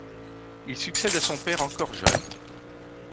Il succède à son père encore jeune.